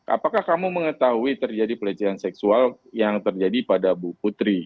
apakah kamu mengetahui terjadi pelecehan seksual yang terjadi pada bu putri